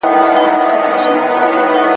استاد د شاګرد له مخالفت سره څه کوي؟